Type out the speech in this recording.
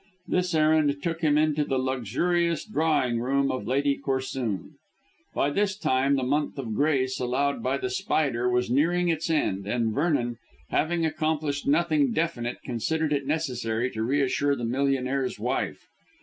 This errand took him into the luxurious drawing room of Lady Corsoon. By this time the month of grace allowed by The Spider was nearing its end, and Vernon, having accomplished nothing definite, considered it necessary to reassure the millionaire's wife.